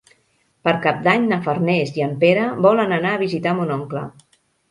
Per Cap d'Any na Farners i en Pere volen anar a visitar mon oncle.